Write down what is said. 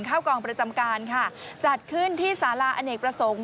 เข้ากองประจำการค่ะจัดขึ้นที่สาราอเนกประสงค์